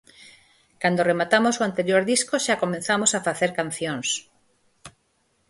Cando rematamos o anterior disco xa comezamos a facer cancións.